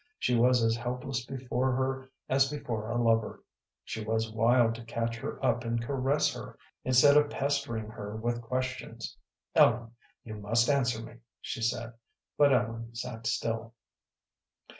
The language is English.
She was as helpless before her as before a lover. She was wild to catch her up and caress her instead of pestering her with questions. "Ellen, you must answer me," she said, but Ellen sat still.